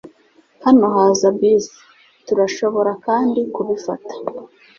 Hano haza bus. Turashobora kandi kubifata.